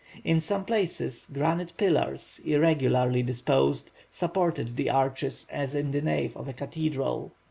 In some places, granite pillars, irregularly disposed, supported the arches as in the nave of a cathedral.